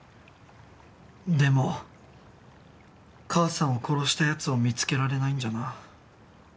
でも母さんを殺したやつを見つけられないんじゃな。